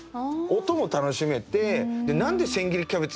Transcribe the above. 音も楽しめてで何で千切りキャベツ